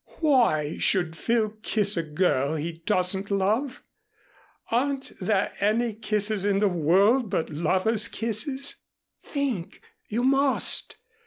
Why should Phil kiss a girl he doesn't love? Aren't there any kisses in the world but lovers kisses? Think. You must.